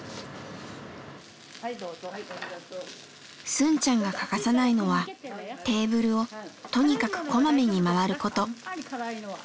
スンちゃんが欠かさないのはテーブルをとにかくこまめにまわること。